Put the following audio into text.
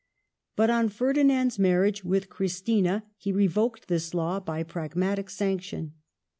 But on Ferdinand's marriage with Christina he revoked this law by Prag matic Sanction.